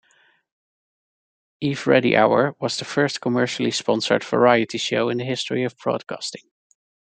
"Eveready Hour" was the first commercially sponsored variety show in the history of broadcasting.